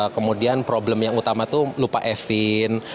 kemudian problem yang utama itu lupa e file